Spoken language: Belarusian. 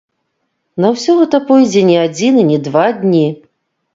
На ўсё гэта пойдзе не адзін і не два дні.